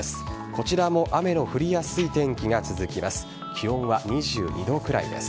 こちらも雨の降りやすい天気が続きます。